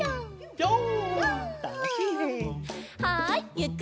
ぴょん！